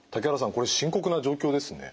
これ深刻な状況ですね。